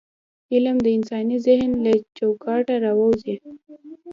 علم د انساني ذهن له چوکاټونه راووځي.